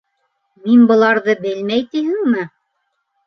- Мин быларҙы белмәй тиһеңме?